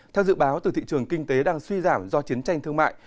theo dự báo từ thị trường kinh tế đang suy giảm do chiến tranh thương mại